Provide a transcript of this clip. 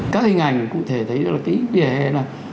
các hình ảnh cụ thể thấy là cái vỉa hè này là